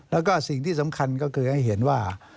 แล้วก็สิ่งที่สำคัญก็คือให้เห็นว่า